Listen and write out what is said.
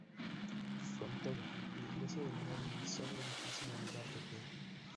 Con todo, la iglesia del lugar es el solo edificio medieval que queda.